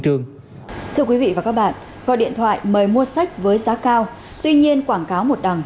trường thưa quý vị và các bạn gọi điện thoại mời mua sách với giá cao tuy nhiên quảng cáo một đằng